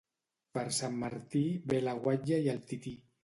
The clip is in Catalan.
Per Sant Martí ve la guatlla i el tití.